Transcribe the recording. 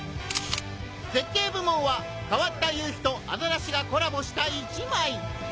「絶景部門」は変わった夕日とアザラシがコラボした１枚！